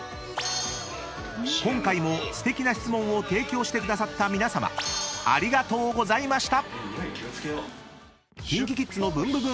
［今回もすてきな質問を提供してくださった皆さまありがとうございました！］